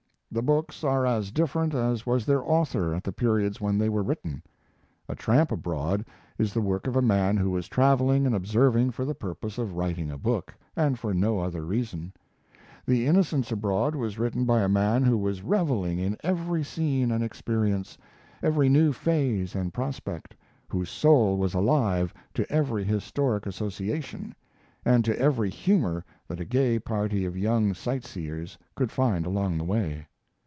The books are as different as was their author at the periods when they were written. 'A Tramp Abroad' is the work of a man who was traveling and observing for the purpose of writing a book, and for no other reason. The Innocents Abroad was written by a man who was reveling in every scene and experience, every new phase and prospect; whose soul was alive to every historic association, and to every humor that a gay party of young sight seers could find along the way.